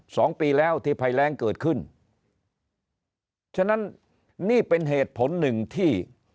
สองปีแล้วที่ภัยแรงเกิดขึ้นฉะนั้นนี่เป็นเหตุผลหนึ่งที่